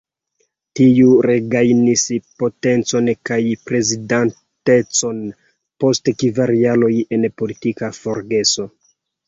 Tiu regajnis potencon kaj prezidantecon post kvar jaroj en politika forgeso.